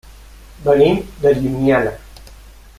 Venim de Llimiana.